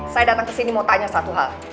saya datang ke sini mau tanya satu hal